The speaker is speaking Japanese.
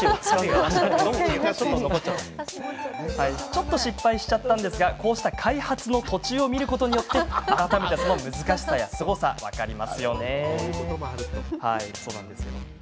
ちょっと失敗しちゃいましたがこうした開発の途中を見ることによって改めて、その難しさやすごさが分かりますよね。